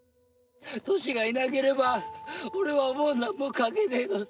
トシがいなければ俺はもう何も書けねえど。